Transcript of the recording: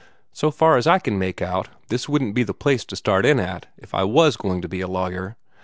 "So far as I can make out, this wouldn't be the place to start in at, if I WAS going to be a lawyer.